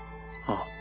ああ。